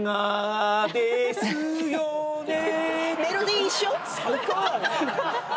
メロディー一緒？